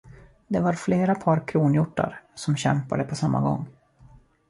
Det var flera par kronhjortar, som kämpade på samma gång.